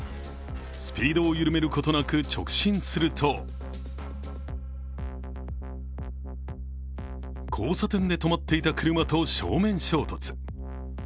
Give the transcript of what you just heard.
スピードを緩めることなく直進すると交差点で止まっていた車と正面衝突。